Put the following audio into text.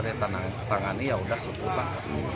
dari tangani yaudah seputar